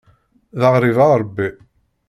D aɣrib a Ṛebbi.